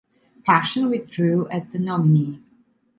Paschen withdrew as the nominee.